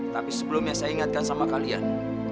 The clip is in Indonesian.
tapi sebelumnya saya ingatkan sama kalian